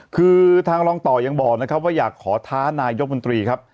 คือทางรองต่อยังบอกนะครับว่าอยากขอท้านายกมนตรีครับ